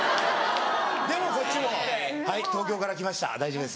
でこっちも「はい東京から来ました大丈夫です。